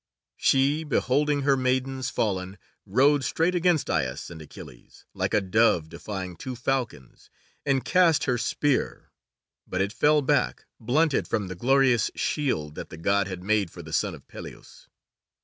She, beholding her maidens fallen, rode straight against Aias and Achilles, like a dove defying two falcons, and cast her spear, but it fell back blunted from the glorious shield that the God had made for the son of Peleus.